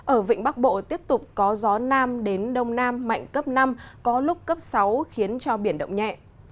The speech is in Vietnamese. ở vịnh bắc bộ tiếp tục có gió nam đến đông nam mạnh cấp năm có lúc cấp sáu khiến cho biển động nhẹ